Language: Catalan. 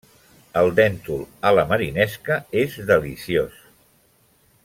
El déntol a la marinesca és deliciós.